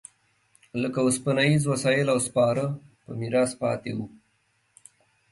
لکه اوسپنیز وسایل او سپاره په میراث پاتې و